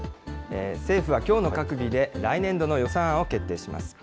政府はきょうの閣議で、来年度の予算案を決定します。